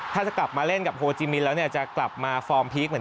ถ้าจะกลับมาเล่นกับโฮจิมินแล้วเนี่ยจะกลับมาฟอร์มพีคเหมือน